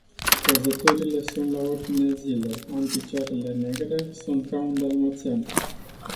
Căzăturile sunt la ordinea zilei, am picioarele negre, sunt ca un dalmațian.